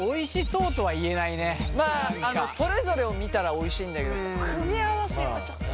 まあそれぞれを見たらおいしいんだけど組み合わせがちょっとね。